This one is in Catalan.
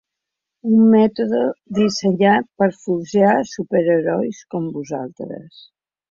Un mètode dissenyat per forjar superherois com vosaltres.